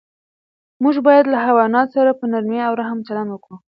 موږ باید له حیواناتو سره په نرمۍ او رحم چلند وکړو.